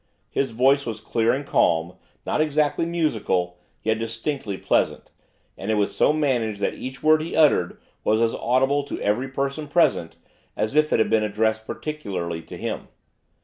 His voice was clear and calm, not exactly musical, yet distinctly pleasant, and it was so managed that each word he uttered was as audible to every person present as if it had been addressed particularly to him.